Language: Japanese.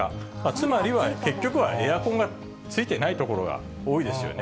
つまりは、結局はエアコンがついてない所が多いですよね。